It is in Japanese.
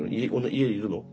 家にいるの？